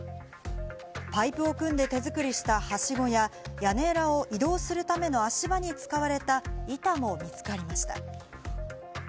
パイプを組んで手づくりしたはしごや、屋根裏を移動するための足場に使われた板も見つかりました。